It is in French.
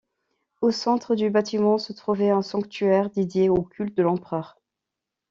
Au centre du bâtiment se trouvait un sanctuaire dédié au culte de l’empereur.